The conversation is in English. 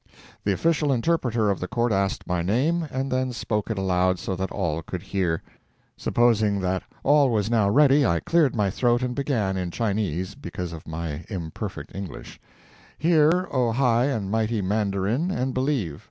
The official interpreter of the court asked my name, and then spoke it aloud so that all could hear. Supposing that all was now ready, I cleared my throat and began in Chinese, because of my imperfect English: "Hear, O high and mighty mandarin, and believe!